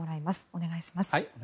お願いします。